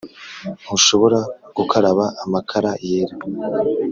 ntushobora gukaraba amakara yera.